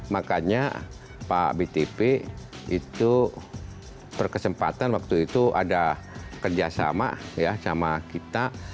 makanya pak btp itu berkesempatan waktu itu ada kerjasama ya sama kita